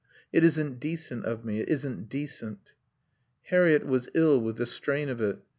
"It isn't decent of me. It isn't decent." Harriett was ill with the strain of it.